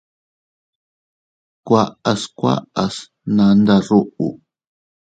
Kuaʼas kuaʼas nnanda ruú.